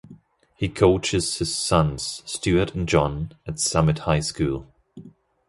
He coaches his sons, Stuart and John, at Summit High School.